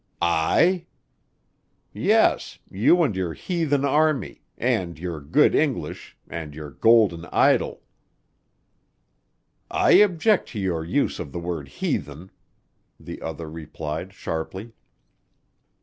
"I?" "Yes, you and your heathen army, and your good English, and your golden idol." "I object to your use of the word 'heathen,'" the other replied sharply.